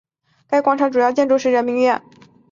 该广场的主要建筑是人民剧院。